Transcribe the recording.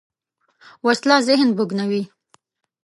وسله ذهن بوږنوې